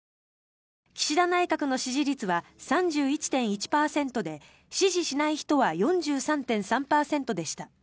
岸田総理の支持率は３１．１％で支持しない人は４３．３％でした。